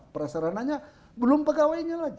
prasarananya belum pegawainya lagi